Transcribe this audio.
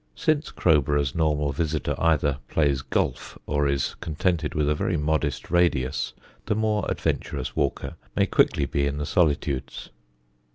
Since Crowborough's normal visitor either plays golf or is contented with a very modest radius, the more adventurous walker may quickly be in the solitudes.